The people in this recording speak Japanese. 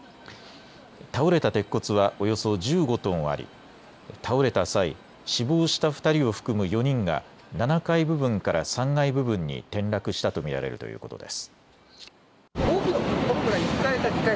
倒れた鉄骨はおよそ１５トンあり倒れた際、死亡した２人を含む４人が７階部分から３階部分に転落したと見られるということです。